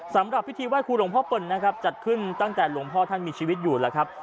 สำหรับพิธีไห้ครูหลวงพ่อเปิ่นนะครับจัดขึ้นตั้งแต่หลวงพ่อท่านมีชีวิตอยู่แล้วครับ